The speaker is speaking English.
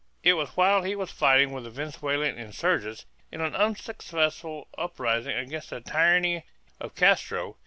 It was while he was fighting with the Venezuelan insurgents in an unsuccessful uprising against the tyranny of Castro.